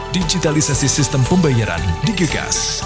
digitalisasi sistem pembayaran digegas